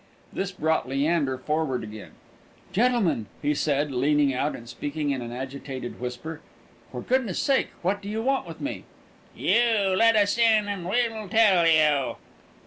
This brought Leander forward again. "Gentlemen," he said, leaning out, and speaking in an agitated whisper, "for goodness' sake, what do you want with me?" "You let us in, and we'll tell you."